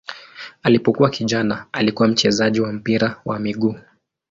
Alipokuwa kijana alikuwa mchezaji wa mpira wa miguu.